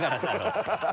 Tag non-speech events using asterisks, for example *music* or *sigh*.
ハハハ *laughs*